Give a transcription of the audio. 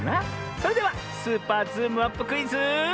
それでは「スーパーズームアップクイズ」。